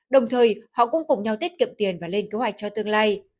đồng thời họ cũng cùng nhau tiết kiệm tiền và lên kế hoạch cho tương lai